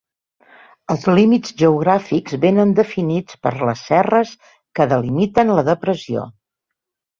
Els límits geogràfics vénen definits per les serres que delimiten la depressió.